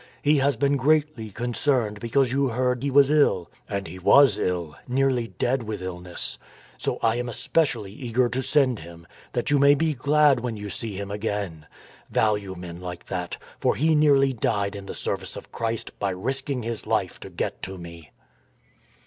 He has been greatly concerned because you heard he was ill. And he was ill, nearly dead with illness. ... So I am especially eager to send him, that you may be glad when you see him again. ... Value men like that, for he nearly died in the service of Christ by risking his life to get to me."